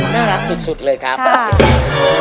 น่ารักสุดเลยครับครับพี่ค่ะค่ะ